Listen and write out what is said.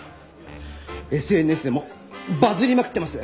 ＳＮＳでもバズりまくってます。